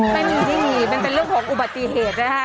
ไม่มีที่นี่มันเป็นเรื่องของอุบัติเหตุนะคะ